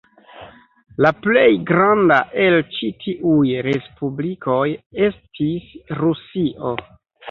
La plej granda el ĉi tiuj respublikoj estis Rusio.